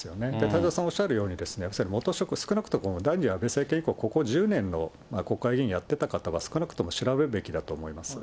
太蔵さんおっしゃるように、元職、少なくとも第２次安倍政権以降、ここ１０年の国会議員やってた方は、少なくとも調べるべきだと思